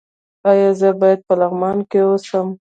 ایا زه باید په لغمان کې اوسم؟